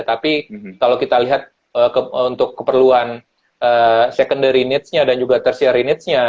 tapi kalau kita lihat untuk keperluan secondary needs nya dan juga tertiary needs nya